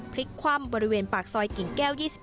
พลิกคว่ำบริเวณปากซอยกิ่งแก้ว๒๑